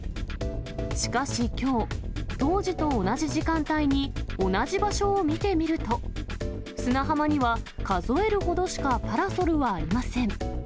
しかしきょう、当時と同じ時間帯に同じ場所を見てみると、砂浜には数えるほどしかパラソルはありません。